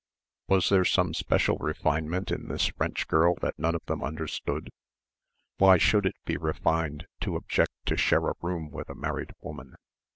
Was there some special refinement in this French girl that none of them understood? Why should it be refined to object to share a room with a married woman?